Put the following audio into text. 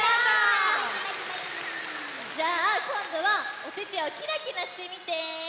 じゃあこんどはおててをキラキラしてみて。